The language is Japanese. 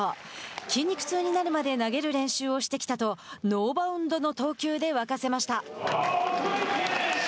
筋肉痛になるまで投げる練習をしてきたとノーバウンドの投球で沸かせました。